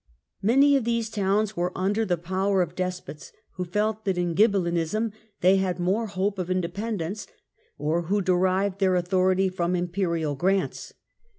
Many of these towns were under the power of despots, who felt that in Ghibellinism they had more hope of independence, or who derived their authority from Im perial grants.